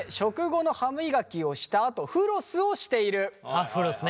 あっフロスね。